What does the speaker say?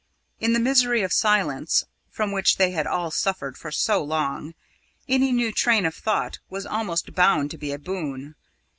In the misery of silence, from which they had all suffered for so long, any new train of thought was almost bound to be a boon.